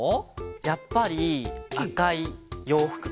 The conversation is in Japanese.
やっぱりあかいようふくかな。